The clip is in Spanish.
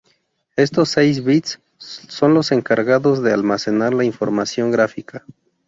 Estos seis bits son los encargados de almacenar la información gráfica.